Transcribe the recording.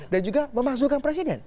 dan juga memasukkan presiden